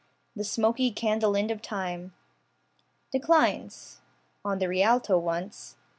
The smoky candle end of time Declines. On the Rialto once.